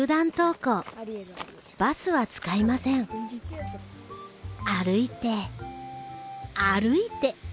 歩いて歩いて。